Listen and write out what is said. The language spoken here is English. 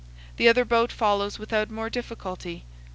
The other boat follows without more difficulty.